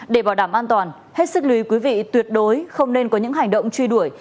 để bảo đảm an toàn hết sức lưu ý quý vị tuyệt đối không nên có những hành động truy đuổi